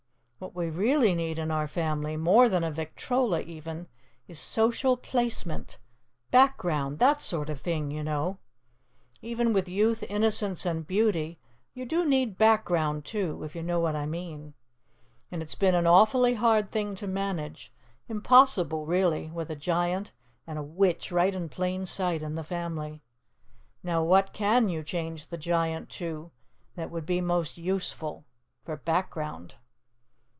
What we really need in our family, more than a victrola, even, is Social Placement, Background, that sort of thing, you know. Even with Youth, Innocence, and Beauty, you do need Background, too, if you know what I mean. And it's been an awfully hard thing to manage impossible, really with a Giant and a Witch right in plain sight in the family. Now what can you change the Giant to that will be most useful for Background?"